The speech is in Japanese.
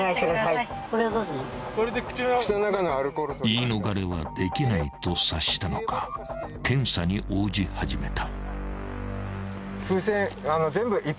［言い逃れはできないと察したのか検査に応じ始めた］